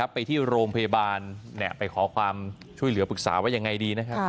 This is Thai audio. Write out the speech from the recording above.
ไปที่โรงพยาบาลไปขอความช่วยเหลือปรึกษาว่ายังไงดีนะครับ